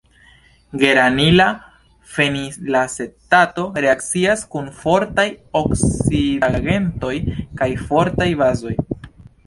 Geranila fenilacetato reakcias kun fortaj oksidigagentoj kaj fortaj bazoj.